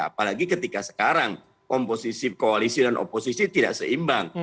apalagi ketika sekarang komposisi koalisi dan oposisi tidak seimbang